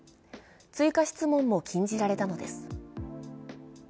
追加質問も禁じられたのです。